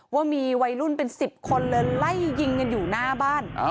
ว่ามีวัยรุ่นเป็น๑๐คนเลยไล่ยิงกันอยู่หน้าบ้าน